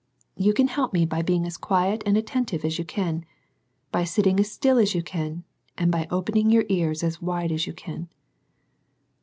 You can help me by being as quiet and attentive as you can, by sitting as still as you can, and by opening your ears as wide as you can.